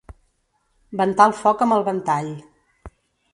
Ventar el foc amb el ventall.